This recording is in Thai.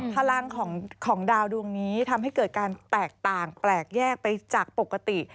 พลังของดาวดวงนี้ทำให้เกิดการแตกต่างแปลกแยกไปจากปกติ